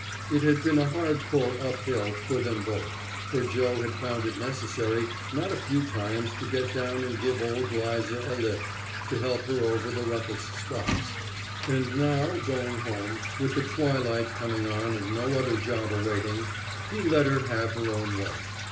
It had been a hard pull uphill for them both, for Joe had found it necessary not a few times to get down and give old 'Liza a lift to help her over the roughest spots; and now, going home, with the twilight coming on and no other job a waiting, he let her have her own way.